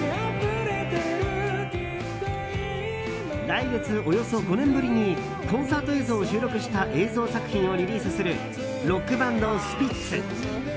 来月、およそ５年ぶりにコンサート映像を収録した映像作品をリリースするロックバンド、スピッツ。